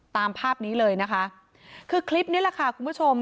ตามภาพนี้เลยนะคะคือคลิปนี้แหละค่ะคุณผู้ชม